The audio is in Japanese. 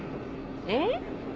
えっ？